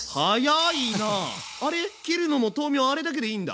切るのも豆苗あれだけでいいんだ？